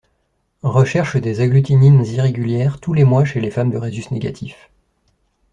Recherche des agglutinines irrégulières tous les mois chez les femmes de rhésus négatif.